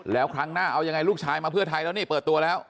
แล้วครั้งหน้าเอายังไงลูกชายมาเพื่อไทยแล้วนี่เปิดตัวแล้ว